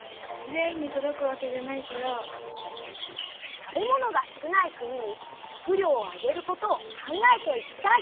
食べ物が少ない国に食料をあげることを考えていきたい。